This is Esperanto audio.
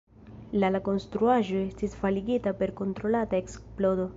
La la konstruaĵo estis faligita per kontrolata eksplodo.